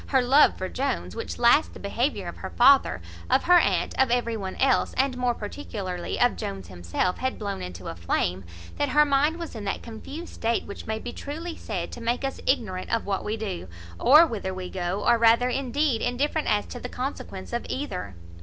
her love for Jones; which last the behaviour of her father, of her aunt, of every one else, and more particularly of Jones himself, had blown into a flame, that her mind was in that confused state which may be truly said to make us ignorant of what we do, or whither we go, or rather, indeed, indifferent as to the consequence of either.